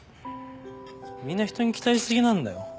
みんな人に期待し過ぎなんだよ。